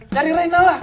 cari reina lah